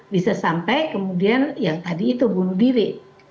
bisa sampai kemudian yang tadi itu bunuh diri